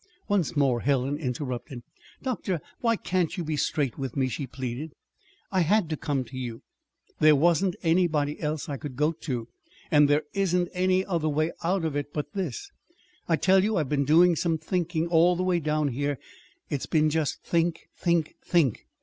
Once more Helen interrupted. "Doctor, why can't you be straight with me?" she pleaded. "I had to come to you. There wasn't anybody else I could go to. And there isn't any other way out of it but this. I tell you I've been doing some thinking. All the way down here it's been just think, think, think."